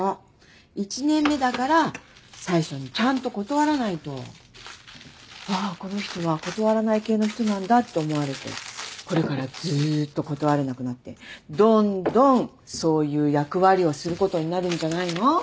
１年目だから最初にちゃんと断らないとああこの人は断らない系の人なんだって思われてこれからずっと断れなくなってどんどんそういう役割をすることになるんじゃないの？